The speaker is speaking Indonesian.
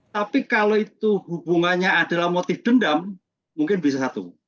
tapi kalau itu hubungannya adalah motif dendam mungkin bisa satu